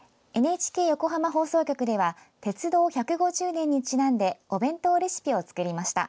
ＮＨＫ横浜放送局では鉄道１５０年にちなんでお弁当レシピを作りました。